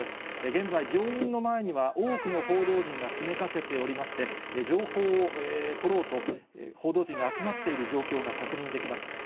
現在、病院の前には多くの報道陣が詰めかけておりまして、情報を取ろうと、報道陣が集まっている状況が確認できます。